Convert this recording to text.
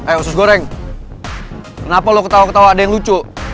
kayak usus goreng kenapa lo ketawa ketawa ada yang lucu